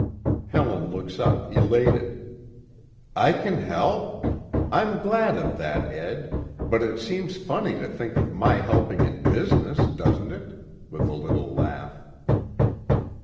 Helen looks up, elated: "I can help? I'm glad of that, Ed, but it seems funny to think of my helping in business, doesn't it?" with a little laugh.